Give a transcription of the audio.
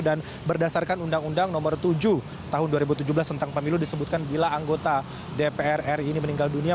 dan berdasarkan undang undang nomor tujuh tahun dua ribu tujuh belas tentang pemilu disebutkan bila anggota dpr ri ini meninggal dunia